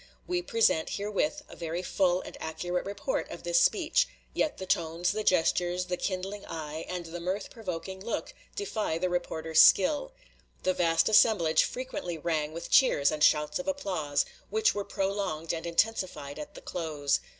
We present herewith a very full and accurate report of this speech; yet the tones, the gestures, the kindling eye, and the mirth provoking look defy the reporter's skill. The vast assemblage frequently rang with cheers and shouts of applause, which were prolonged and intensified at the close.